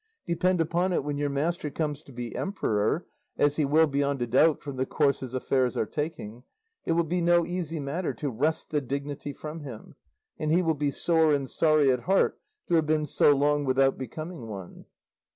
Depend upon it when your master comes to be emperor (as he will beyond a doubt from the course his affairs are taking), it will be no easy matter to wrest the dignity from him, and he will be sore and sorry at heart to have been so long without becoming one."